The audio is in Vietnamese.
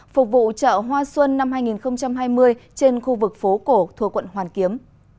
phục vụ chợ hoa xuân năm hai nghìn hai mươi trên khu vực phố cổ thuộc quận hoàn kiếm